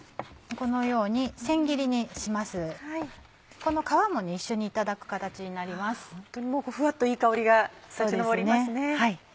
ホントにもうフワっといい香りが立ち上りますね。